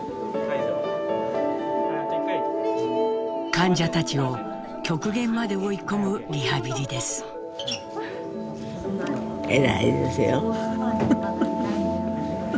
患者たちを極限まで追い込むリハビリです。え？